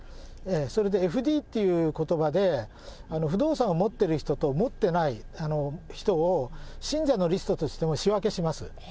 それでＦＤということばで、不動産を持っている人と、持ってない人を、信者のリストで仕分けします。